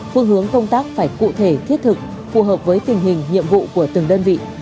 phương hướng công tác phải cụ thể thiết thực phù hợp với tình hình nhiệm vụ của từng đơn vị